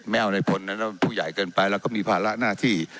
ไม่เอาอะไรคนนั้นนะพวกใหญ่เกินไปเราก็มีภาพละหน้าที่